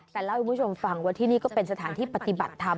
แต่เล่าให้คุณผู้ชมฟังว่าที่นี่ก็เป็นสถานที่ปฏิบัติธรรม